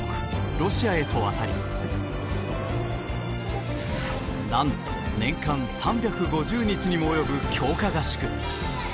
ロシアへと渡り何と年間３５０日にも及ぶ強化合宿。